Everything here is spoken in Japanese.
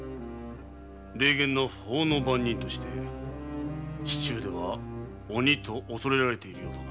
冷厳な法の番人として市中では鬼と恐れられているようだな。